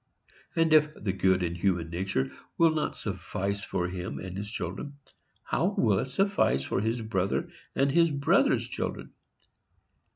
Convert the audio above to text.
And if "the good in human nature" will not suffice for him and his children, how will it suffice for his brother and his brother's children?